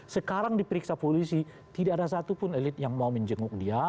sekarang diperiksa polisi tidak ada satupun elit yang mau menjenguk dia